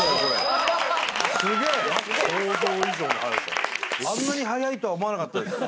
あんなにはやいとは思わなかったです